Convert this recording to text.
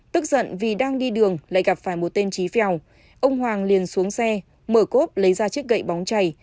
tức giận vì đang đi đường lại gặp phải một tên trí phèo ông hoàng liền xuống xe mở cốp lấy ra chiếc gậy bóng chảy